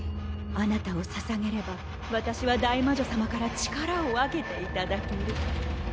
あなたをささげれば私は大魔女様から力を分けていただける。